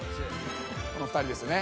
この２人ですね。